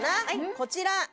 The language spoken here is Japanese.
こちら。